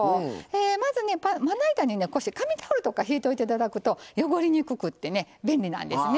まずまな板にこうして紙タオルとか敷いておいて頂くと汚れにくくて便利なんですね。